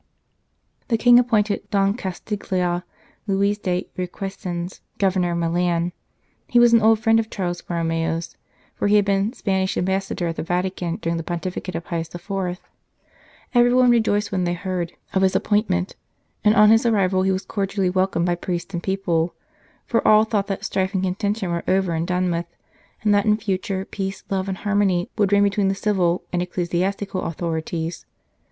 The King appointed Don Castiglia Luis de Requesens Governor of Milan. He was an old friend of Charles Borromeo s, for he had been Spanish Ambassador at the Vatican during the pontificate of Pius IV. Everyone rejoiced when they heard of his appointment, and on his arrival he was cordially welcomed by priests and people ; for all thought that strife and contention were over and done with, and that in future peace, love, and harmony, would reign between the civil and ecclesiastical authorities.